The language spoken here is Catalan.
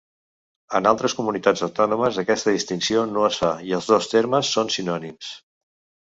En altres comunitats autònomes aquesta distinció no es fa i els dos termes són sinònims.